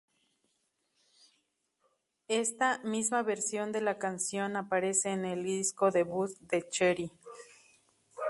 Ésta misma versión de la canción aparece en el disco debut de Cheryl.